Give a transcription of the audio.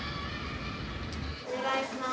お願いします。